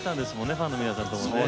ファンの皆さんともね。